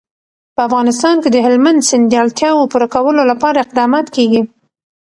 په افغانستان کې د هلمند سیند د اړتیاوو پوره کولو لپاره اقدامات کېږي.